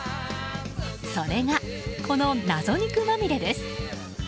それが、この謎肉まみれです。